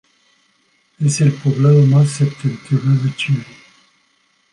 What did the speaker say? Es el poblado más septentrional de Chile.